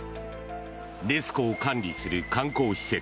ネス湖を管理する観光施設